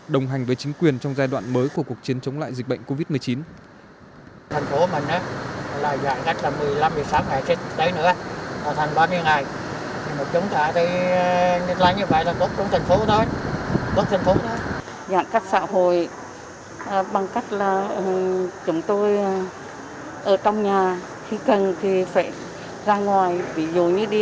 đồng hành với chính quyền trong giai đoạn mới của cuộc chiến chống lại dịch bệnh covid một mươi chín